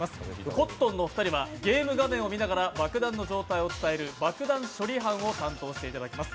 コットンのお二人はゲーム画面を見ながら爆弾の状態を伝える爆弾処理班を担当していただきます。